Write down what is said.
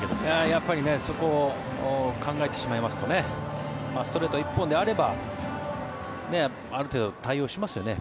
やっぱりそこを考えてしまいますとストレート１本であればある程度、対応しますよね。